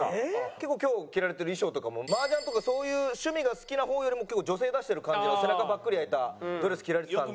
結構今日着られてる衣装とかも麻雀とかそういう趣味が好きな方よりも結構女性出してる感じが背中ぱっくり開いたドレス着られてたんで。